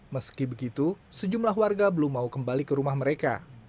meski begitu sejumlah warga belum mau kembali ke rumah mereka